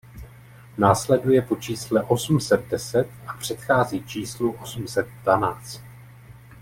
Následuje po čísle osm set deset a předchází číslu osm set dvanáct.